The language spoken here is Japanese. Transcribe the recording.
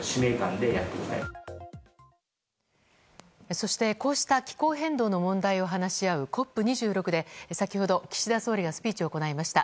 そして、こうした気候変動の問題を話し合うＣＯＰ２６で先ほど岸田総理がスピーチを行いました。